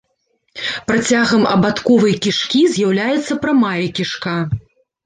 Працягам абадковай кішкі з'яўляецца прамая кішка.